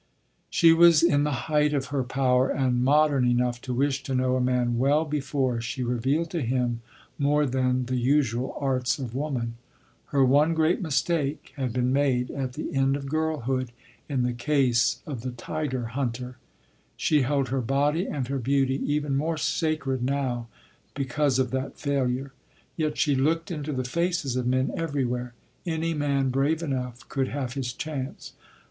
She was in the height of her power, and modern enough to wish to know a man well before she revealed to him more than the usual arts of woman. Her one great mistake had been made at the end of girlhood in the case of the tiger hunter. She held her body and her beauty even more sacred now because of that failure. Yet she looked into the faces of men everywhere. Any man brave enough could have his chance.